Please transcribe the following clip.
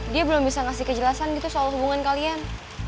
dia belum bisa ngasih kejelasan gitu soal hubungan kalian